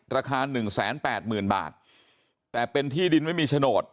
ราคาหนึ่งแสนแปดหมื่นบาทแต่เป็นที่ดินไม่มีโฉนด